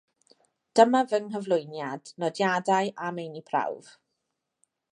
Dyma fy nghyflwyniad, nodiadau a meini prawf.